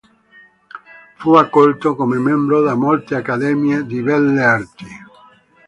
Fu accolto come membro da molte Accademie di belle arti.